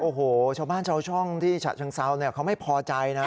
โอ้โฮชาวบ้านชาวช่องที่ชะชังเซาไม่พอใจนะ